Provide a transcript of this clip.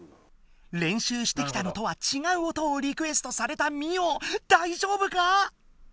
練習してきたのとは違う音をリクエストされたミオ大丈夫か？